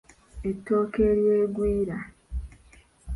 Ettooke ery'engwira.